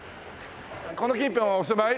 この近辺はお住まい？